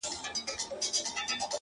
هغه مه ښوروه ژوند راڅخـه اخلي.